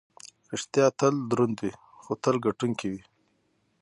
ریښتیا تل دروند وي، خو تل ګټونکی وي.